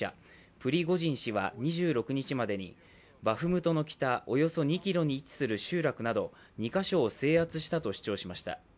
プリゴジン氏は２６日までに、バフムトの北およそ２ｋｍに位置する集落など２か所を制圧したと主張しました。